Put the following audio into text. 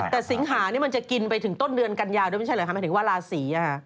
แต่สิงหานี่มันจะกินไปถึงต้นเดือนกันยาวด้วยไม่ใช่เหรอคะหมายถึงว่าราศี